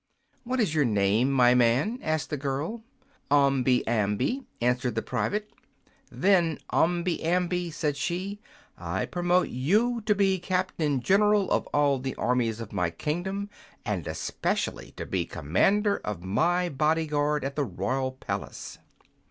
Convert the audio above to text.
"What is your name, my man?" asked the girl. "Omby Amby," answered the private. "Then, Omby Amby," said she, "I promote you to be Captain General of all the armies of my kingdom, and especially to be Commander of my Body Guard at the royal palace."